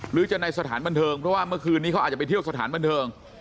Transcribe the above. หรือจะในสถานบันเทิงเพราะว่าเมื่อคืนนี้เขาอาจจะไปเที่ยวสถานบันเทิง